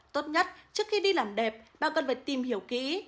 tốt nhất trước khi đi làm đẹp bạn cần phải tìm hiểu kỹ